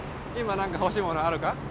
今何か欲しいものあるか？